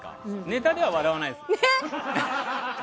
ネタでは笑わないです。